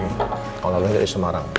orang orang dari semarang